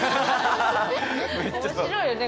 面白いよね